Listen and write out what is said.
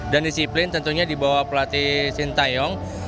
dan disiplin tentunya dibawah pelatih sintayong